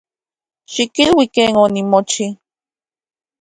Xikilui ken onimochi.